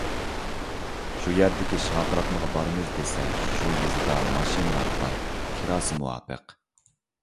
شۇ يەردىكى شارقىراتمىغا بارىمىز دېسە، شۇ يېزىدا ماشىنىلار بار، كىراسى مۇۋاپىق.